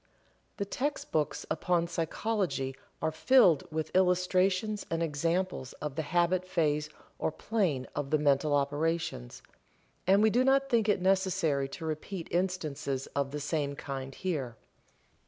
The text books upon psychology are filled with illustrations and examples of the habit phase or plane of the mental operations, and we do not think it necessary to repeat instances of the same kind here.